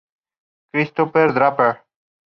Christopher Draper.